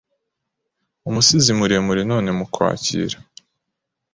Umusizi muremure none mukwakira